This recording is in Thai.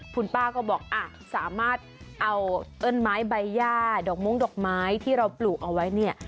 คุณป้าก็บอกอ่ะสามารถเอาต้นไม้ใบย่าดอกมุ้งดอกไม้ที่เราปลูกเอาไว้เนี่ย